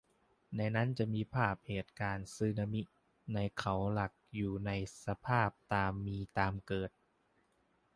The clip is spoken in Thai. ในนั้นจะมีภาพเหตุการณ์สึนามิในเขาหลักอยู่ในสภาพตามมีตามเกิด